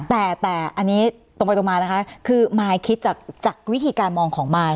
แต่อันนี้ตรงไปตรงมานะคะคือมายคิดจากวิธีการมองของมาย